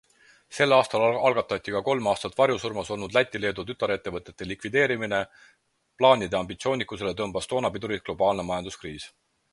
Sel aastal algatati ka kolm aastat varjusurmas olnud Läti-Leedu tütarettevõtete likvideerimine - plaanide ambitsioonikusele tõmbas toona pidurit globaalne majanduskriis.